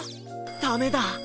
ダメだ！